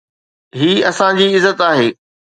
هي اسان جي عزت آهي.